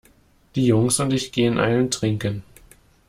Die Jungs und ich gehen einen trinken.